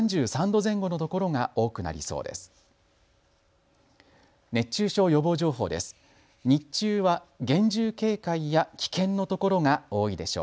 ３３度前後の所が多くなりそうです。